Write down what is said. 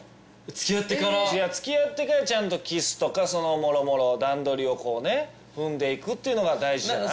つきあってからつきあってからちゃんとキスとかそのもろもろ段取りをこうね踏んでいくっていうのが大事じゃない？